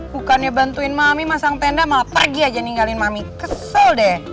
bukannya bantuin mami masang tenda malah pergi aja ninggalin mami kesel deh